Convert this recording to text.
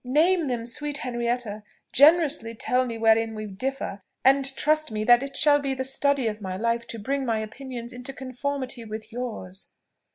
"Name them, sweet Henrietta! generously tell me wherein we differ, and trust me that it shall be the study of my life to bring my opinions into conformity with yours."